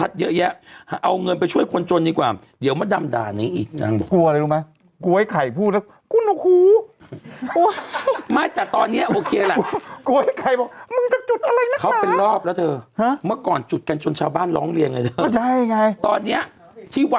สั้นนะนะเขาอ่ะเขาอ่ะเขาแบบเล็กอะไรให้บาดเลยนะเออตัว